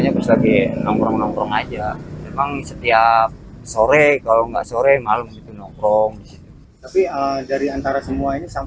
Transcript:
nongkrong aja setiap sore kalau nggak sore malam nongkrong dari antara semua ini